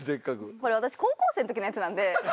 これ私高校生の時のやつなんで。